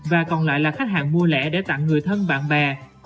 và còn lại là khách hàng mua lẻ để tặng người thân bạn bè